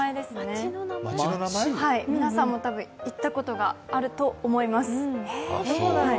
皆さんも多分行ったことがあると思います。